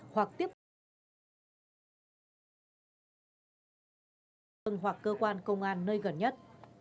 hoặc cơ quan công an nơi gần nhất